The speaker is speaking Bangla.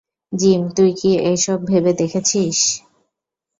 জিম, তুই কি এসব ভেবে দেখেছিস?